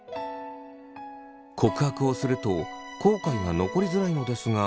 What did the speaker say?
告白をすると後悔が残りづらいのですが。